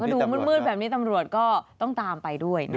ดูมืดแบบนี้ตำรวจก็ต้องตามไปด้วย